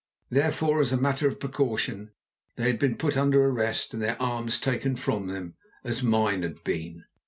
Therefore, as a matter of precaution, they had been put under arrest and their arms taken from them as mine had been.